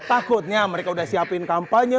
takutnya mereka udah siapin kampanye